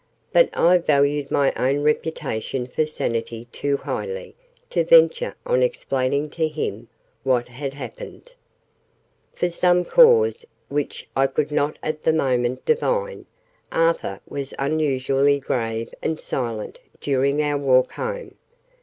But I valued my own reputation for sanity too highly to venture on explaining to him what had happened. For some cause, which I could not at the moment divine, Arthur was unusually grave and silent during our walk home.